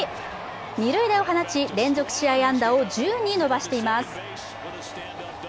二塁打を放ち、連続試合安打を１０に伸ばしています。